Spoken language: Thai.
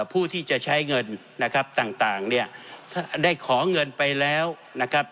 ผู้ที่จะใช้เงินนะครับต่างเนี่ยถ้าได้ขอเงินไปแล้วนะครับ